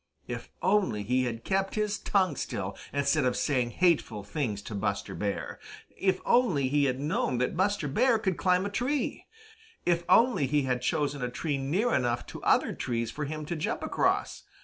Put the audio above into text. If only he had kept his tongue still instead of saying hateful things to Buster Bear! If only he had known that Buster could climb a tree! If only he had chosen a tree near enough to other trees for him to jump across!